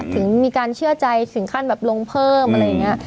ถึงมีการเชื่อใจถึงขั้นแบบลงเพิ่มอะไรอย่างนี้